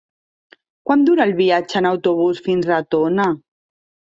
Quant dura el viatge en autobús fins a Tona?